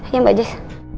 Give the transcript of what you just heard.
iya mbak jess